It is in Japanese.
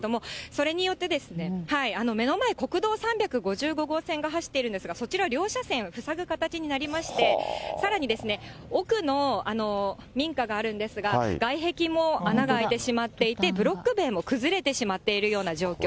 それによって、目の前、国道３５５号線が走っているんですが、そちら、両車線塞ぐ形になりまして、さらに奥の民家があるんですが、外壁も穴が開いてしまって、ブロック塀も崩れてしまっているような状況。